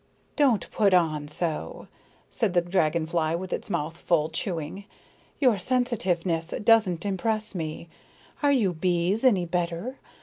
"Don't put on so," said the dragon fly with its mouth full, chewing. "Your sensitiveness doesn't impress me. Are you bees any better?